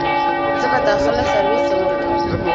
زه به داخله سرويس ته وليکم.